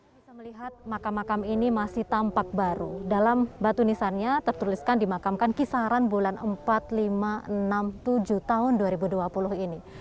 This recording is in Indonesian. bisa melihat makam makam ini masih tampak baru dalam batu nisannya tertuliskan dimakamkan kisaran bulan empat ribu lima ratus enam puluh tujuh tahun dua ribu dua puluh ini